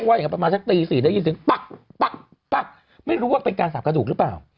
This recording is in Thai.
เขาก็ว่าประมาณตี๔ได้ยินเสียงปั๊กไม่รู้ว่าเป็นการสับกระดูกหรือเปล่า